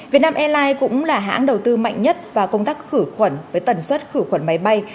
việt nam airlines cũng là hãng đầu tư mạnh nhất vào công tác khử khuẩn với tần suất khử khuẩn máy bay